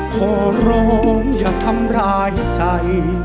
ขอร้องอย่าทำร้ายใจ